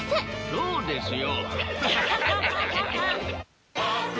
そうですよ。